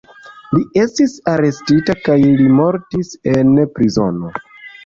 Li estis arestita kaj li mortis en prizono.